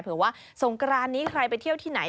เผื่อว่าสงกรานนี้ใครไปเที่ยวที่ไหน